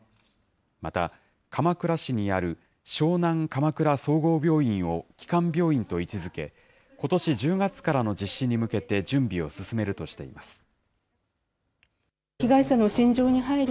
また、鎌倉市にある湘南鎌倉総合病院を基幹病院と位置づけ、ことし１０月からの実施に向けて、準備を進めるとしています。